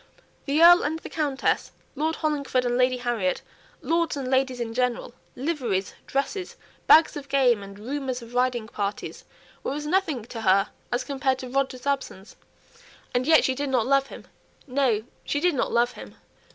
The Earl and the Countess, Lord Hollingford and Lady Harriet, lords and ladies in general, liveries, dresses, bags of game, and rumours of riding parties, were as nothing to her compared to Roger's absence. And yet she did not love him. No, she did not love him.